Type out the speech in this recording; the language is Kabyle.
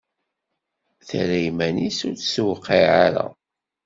Terra iman-is ur tt-tewqiɛ ara.